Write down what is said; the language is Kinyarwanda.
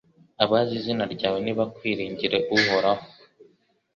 Abazi izina ryawe nibakwiringire Uhoraho